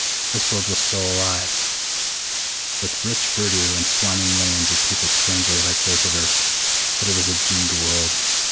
This world was still alive, with rich verdure and swarming millions of people strangely like those of Earth. But it was a doomed world.